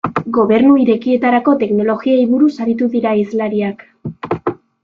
Gobernu Irekietarako teknologiei buruz aritu dira hizlariak.